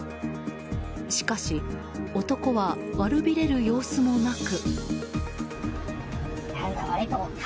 しかし、男は悪びれる様子もなく。